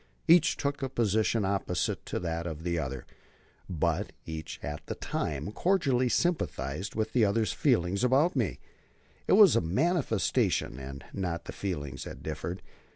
Each took a position opposite to that of the other, but each at that time cordially sympathized with the other's feelings about me it was the manifestations and not the feelings that differed.